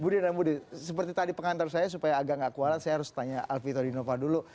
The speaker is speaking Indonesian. budi dan budi seperti tadi pengantar saya supaya agak gak kualat saya harus tanya alvito dinova dulu